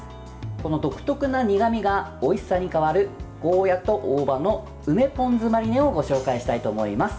この独特な苦みがおいしさに変わるゴーヤーと大葉の梅ポン酢マリネをご紹介したいと思います。